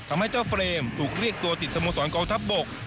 ทำให้เจ้าเฟรมถูกเรียกตัวติดสโมสรกองทัพบก